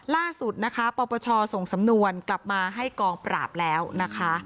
ล่าสุดนะคะปปชส่งสำนวนกลับมาให้กองปราบแล้วนะคะ